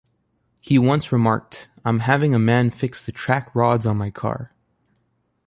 He once remarked: I'm having a man fix the track rods on my car.